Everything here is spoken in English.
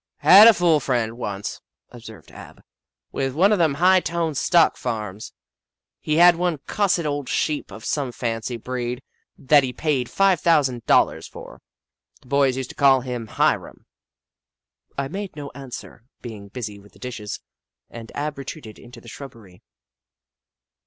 " Had a fool friend once," observed Ab, " with one of them high toned stock farms. He had one cussed old Sheep of some fancy breed that he paid five thousand dollars for. The boys used to call him Hi ram." I made no answer, being busy with the dishes, and Ab retreated into the shrubbery.